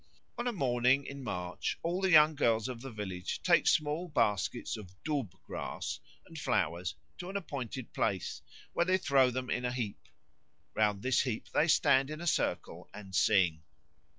On a morning in March all the young girls of the village take small baskets of dûb grass and flowers to an appointed place, where they throw them in a heap. Round this heap they stand in a circle and sing.